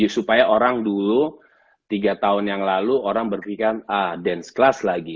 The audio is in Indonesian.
supaya orang dulu tiga tahun yang lalu orang berpikiran dance class lagi